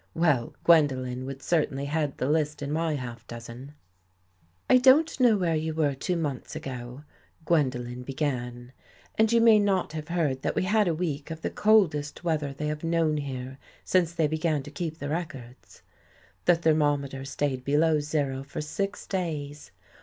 Well, Gwendolen would certainly head the list in my half dozen. " I don't know where you were two months ago," Gwendolen began, '' and you may not have heard that we had a week of the coldest weather they have known here since they began to keep the records. The thermometer stayed below zero for six days.